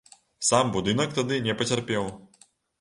Сам будынак тады не пацярпеў.